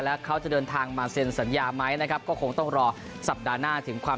แล้วเขาจะเดินทางมาเซ็นสัญญาไหมนะครับก็คงต้องรอสัปดาห์หน้าถึงความ